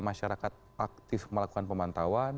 masyarakat aktif melakukan pemantauan